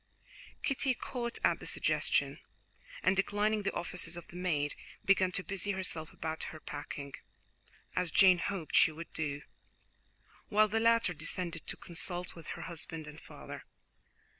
Kitty caught at the suggestion, and declining the offices of the maid, began to busy herself about her packing, as Jane hoped she would do, while the latter descended to consult with her husband and father.